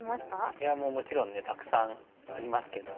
いやもちろんたくさんありますけども。